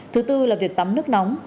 thứ tư là việc tắm nước nóng